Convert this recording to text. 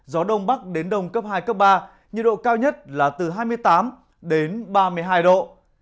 gió đông bắc đến đông cấp hai cấp ba nhiệt độ cao nhất là từ hai mươi tám đến ba mươi hai độ